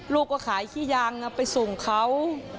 ลูกก็ขายขี้ยางไปส่งเขา